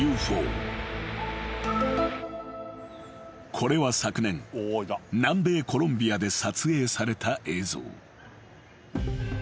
［これは昨年南米コロンビアで撮影された映像］